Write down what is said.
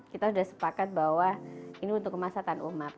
kita sudah sepakat bahwa ini untuk kemasatan umat